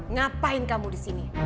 ngapain kamu disini